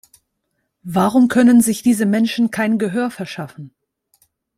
Warum können sich diese Menschen kein Gehör verschaffen?